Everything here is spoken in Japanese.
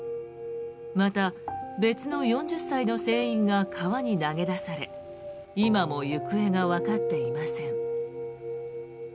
また、別の４０歳の船員が川に投げ出され今も行方がわかっていません。